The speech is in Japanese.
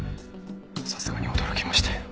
さすがに驚きましたよ。